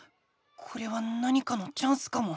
これは何かのチャンスかも。